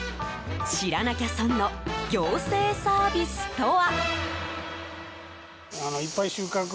知らなきゃ損の行政サービスとは。